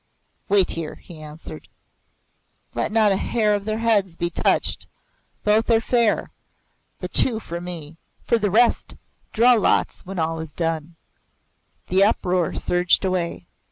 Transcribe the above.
"Wait here," he answered. "Let not a hair of their heads be touched. Both are fair. The two for me. For the rest draw lots when all is done." The uproar surged away.